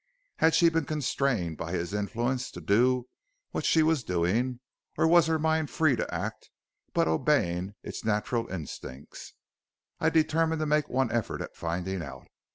Had she been constrained by his influence to do what she was doing, or was her mind free to act and but obeying its natural instincts? I determined to make one effort at finding out.